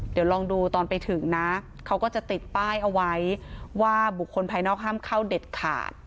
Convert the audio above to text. เดี๋ยวลองดูตอนไปถึงนะเขาก็จะติดป้ายเอาไว้ว่าบุคคลภายนอกห้ามเข้าเด็ดขาด